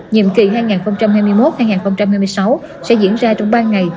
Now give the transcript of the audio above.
nhiệm kỳ hai nghìn hai mươi một hai nghìn hai mươi sáu sẽ diễn ra trong ba ngày